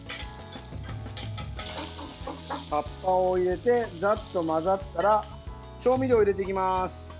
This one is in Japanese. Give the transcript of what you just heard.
葉っぱを入れてざっと混ざったら調味料入れていきます。